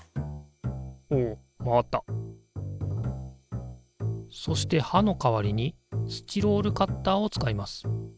おお回ったそしてはの代わりにスチロールカッターを使います。